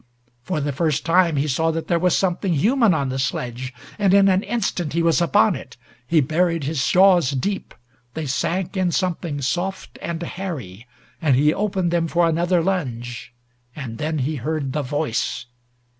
For the first time he saw that there was something human on the sledge, and in an instant he was upon it. He buried his jaws deep. They sank in something soft and hairy, and he opened them for another lunge. And then he heard the voice!